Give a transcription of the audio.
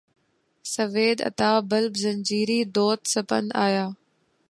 سویدا تا بلب زنجیری دود سپند آیا